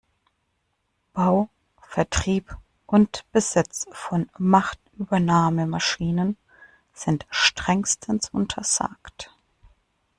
Bau, Vertrieb und Besitz von Machtübernahmemaschinen sind strengstens untersagt.